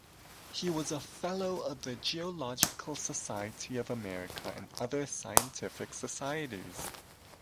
He was a fellow of the Geological Society of America and other scientific societies.